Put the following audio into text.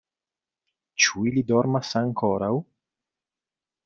Ĉu ili dormas ankoraŭ?